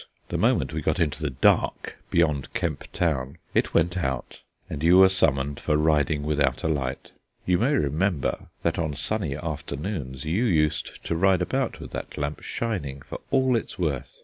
The moment we got into the dark beyond Kemp Town it went out, and you were summoned for riding without a light. You may remember that on sunny afternoons you used to ride about with that lamp shining for all it was worth.